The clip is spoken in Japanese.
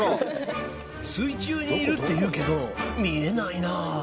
水中にいるっていうけど見えないな。